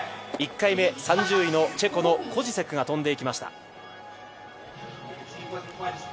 １回目３０位のチェコのコジセクが飛んでいきました。